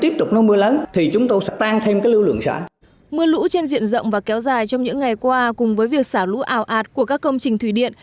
mưa lũ trên diện rộng và kéo dài trong những ngày qua cùng với việc xả lũ ảo ạt của các công trình thủy điện